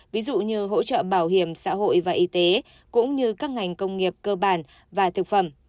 ví dụ như hỗ trợ bảo hiểm xã hội và y tế cũng như các ngành công nghiệp cơ bản và thực phẩm